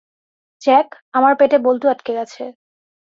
Jack, আমার পেটে বল্টু আটকে গেছে।